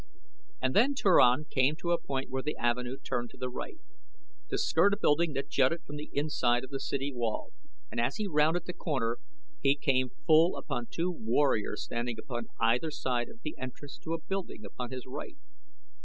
And then Turan came to a point where the avenue turned to the right, to skirt a building that jutted from the inside of the city wall, and as he rounded the corner he came full upon two warriors standing upon either side of the entrance to a building upon his right.